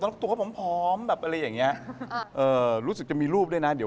ตั้งแต่สมัยยังไม่แลดอะตอนเนี้ย